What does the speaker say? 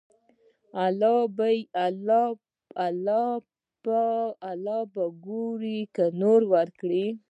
الله یې په ګور کې نور کړي.